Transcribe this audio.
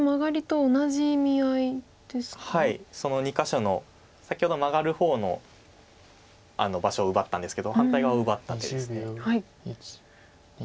その２か所の先ほどはマガる方の場所を奪ったんですけど反対側を奪った手です。